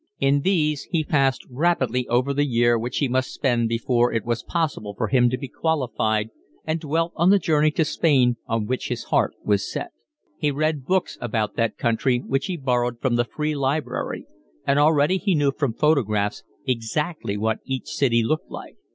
In these he passed rapidly over the year which he must spend before it was possible for him to be qualified and dwelt on the journey to Spain on which his heart was set. He read books about that country, which he borrowed from the free library, and already he knew from photographs exactly what each city looked like.